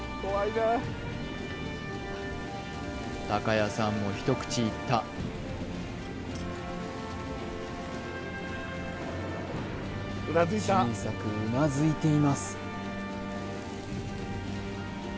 矢さんも一口いった小さくうなずいています